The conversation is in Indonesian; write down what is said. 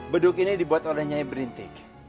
beduk ini dibuat oleh nyai berintik